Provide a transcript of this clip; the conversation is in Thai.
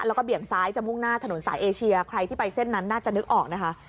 แล้วก็เบี่ยงซ้ายจะมุ่งหน้าถนนสายเอเชียใครที่ไปเส้นนั้นน่าจะนึกออกนะคะ